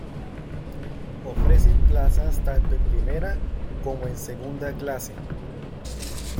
Ofrecen plazas tanto en primera como en segunda clase.